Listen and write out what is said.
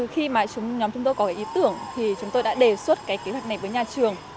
khi mà nhóm chúng tôi có cái ý tưởng thì chúng tôi đã đề xuất cái kế hoạch này với nhà trường